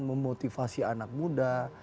memotivasi anak muda